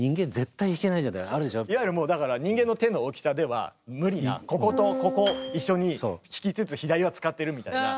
最近いわゆるもうだから人間の手の大きさでは無理なこことここ一緒に弾きつつ左は使ってるみたいな。